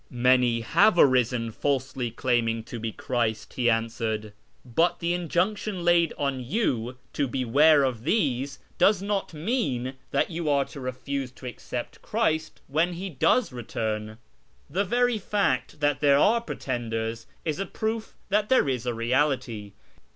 " Many have arisen falsely claiming to be Christ," he answered, "but the injunction laid on you to beware of these does not mean that you are to refuse to accept Christ when He does return. The very fact that there are pretenders is a proof that there is a reality.